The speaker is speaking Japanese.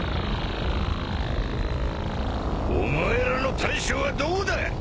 お前らの大将はどこだ！